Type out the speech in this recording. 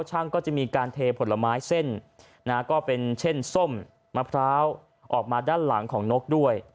ก็จะมีการเทผลไม้เส้นนะฮะก็เป็นเช่นส้มมะพร้าวออกมาด้านหลังของนกด้วย